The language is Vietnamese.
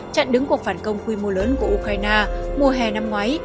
chặn đứng cuộc phản công quy mô lớn của ukraine mùa hè năm ngoái